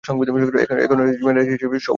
এটা এখন generic medicine হিসেবে সহজলভ্য।